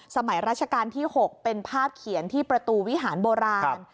สมัยราชการที่๖เป็นภาพเขียนที่ประตูวิหารโบราณ